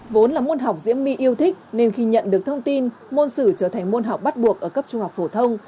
vốn là môn học diễm my yêu thích nên khi nhận được thông tin môn sử trở thành môn học bắt buộc ở cấp trung học phổ thông